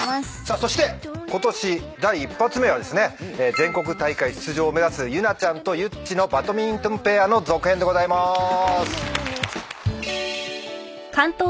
そしてことし第１発目はですね全国大会出場を目指すユナちゃんとユッチのバドミントンペアの続編でございまーす。